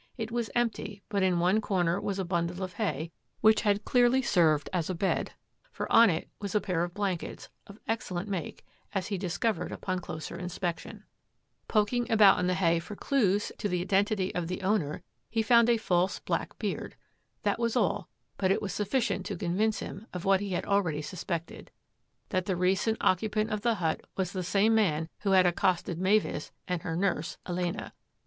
It was empty, but in one comer was a bundle of hay which had clearly served as a bed, for on it was a pair of blankets, of excellent make, as he discovered upon closer inspection. Poking about in the hay for CLAVERING MUDDIES HIS BOOTS 143 clues to the identity of the owner, he found a false black beard. That was all, but it was sufficient to convince him of what he had already suspected: that the recent occupant of the hut was the same man who had accosted Mavis and her nurse, Elena.